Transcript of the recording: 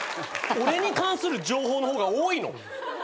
俺に関する情報の方が多いの？